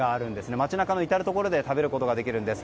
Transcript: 街中の至るところで食べることができます。